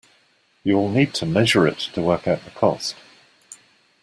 You'll need to measure it to work out the cost.